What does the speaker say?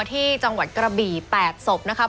ที่จังหวัดกระบี่๘ศพนะคะ